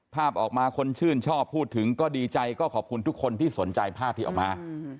ภาพออกมาคนชื่นชอบพูดถึงก็ดีใจก็ขอบคุณทุกคนที่สนใจภาพที่ออกมา